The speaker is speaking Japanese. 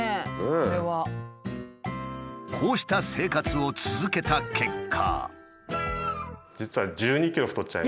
こうした生活を続けた結果。